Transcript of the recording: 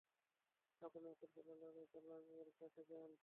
আপনি রাসূলুল্লাহ সাল্লাল্লাহু আলাইহি ওয়াসাল্লাম-এর কাছে যান।